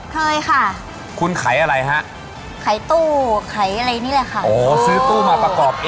โชคความแม่นแทนนุ่มในศึกที่๒กันแล้วล่ะครับ